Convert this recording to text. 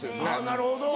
なるほど。